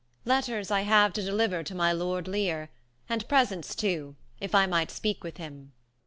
Letters I have to deliver to my lord Leir, And presents too, if I might speak with him.